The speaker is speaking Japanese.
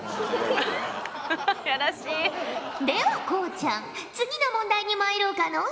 ではこうちゃん次の問題にまいろうかのう。